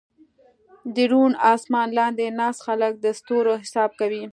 د روڼ اسمان لاندې ناست خلک د ستورو حساب کوي.